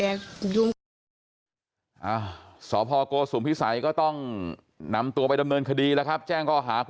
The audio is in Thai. แหละก็มีทีมาจ้า